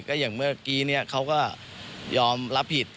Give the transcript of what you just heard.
ก็อย่างเมื่อกี้เขาก็ยอมรับผิด